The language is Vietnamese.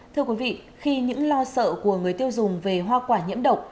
thưa quý vị khi những lo sợ của người tiêu dùng về hoa quả nhiễm độc